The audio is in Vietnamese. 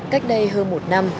cách đây hơn một năm